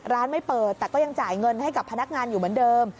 ไม่เปิดแต่ก็ยังจ่ายเงินให้กับพนักงานอยู่เหมือนเดิม